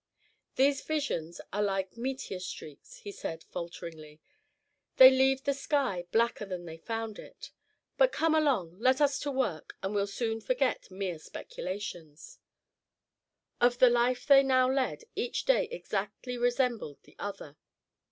"These visions are like meteor streaks," said he, falteringly; "they leave the sky blacker than they found it! But come along, let us to work, and we 'll soon forget mere speculation." Of the life they now led each day exactly resembled the other.